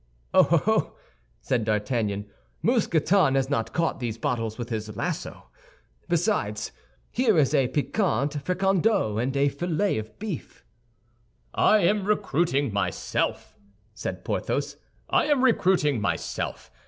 "Oh, oh!" said D'Artagnan, "Mousqueton has not caught these bottles with his lasso. Besides, here is a piquant fricandeau and a fillet of beef." "I am recruiting myself," said Porthos, "I am recruiting myself.